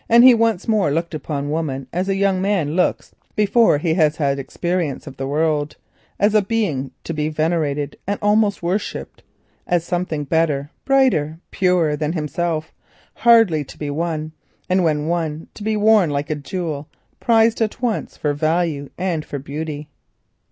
Once more he looked upon woman as a young man looks before he has had bitter experience of the world—as a being to be venerated and almost worshipped, as something better, brighter, purer than himself, hardly to be won, and when won to be worn like a jewel prized at once for value and for beauty.